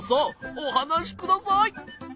おはなしください。